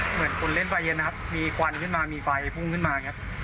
เหมือนคนเล่นไฟเย็นนะครับมีกวนขึ้นมามีไฟพุ่งขึ้นมา